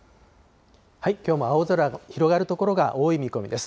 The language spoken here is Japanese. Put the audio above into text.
きょうも青空が広がる所が多い見込みです。